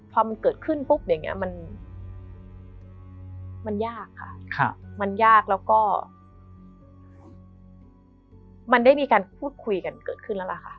พอมันเกิดขึ้นปุ๊บอย่างนี้มันยากค่ะมันยากแล้วก็มันได้มีการพูดคุยกันเกิดขึ้นแล้วล่ะค่ะ